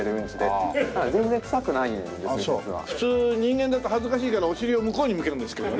普通人間だと恥ずかしいからお尻を向こうに向けるんですけどね。